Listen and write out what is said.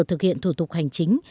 thực hiện thủ tục hành chính